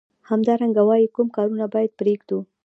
همدارنګه وايي کوم کارونه باید پریږدو.